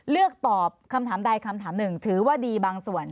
เลือกตอบคำถามใดคำถามหนึ่งถือว่าดีบางส่วน